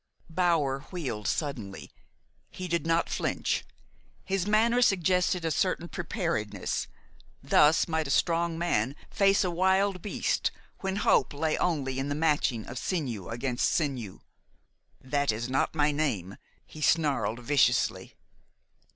Bower wheeled suddenly. He did not flinch. His manner suggested a certain preparedness. Thus might a strong man face a wild beast when hope lay only in the matching of sinew against sinew. "That is not my name," he snarled viciously.